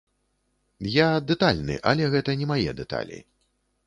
Я дэтальны, але гэта не мае дэталі.